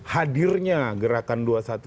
hadirnya gerakan dua ratus dua belas